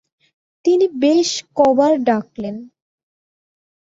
তিনি বেশ ক বার ডাকলেন।